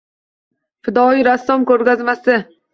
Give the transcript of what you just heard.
Fidoyi rassom ko‘rgazmasi